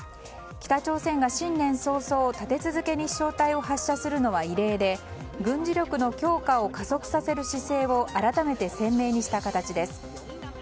北朝鮮が新年早々立て続けに飛翔体を発射するのは異例で軍事力の強化を加速させる姿勢を改めて鮮明にした形です。